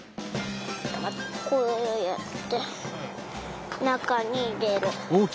こうやってなかにいれる。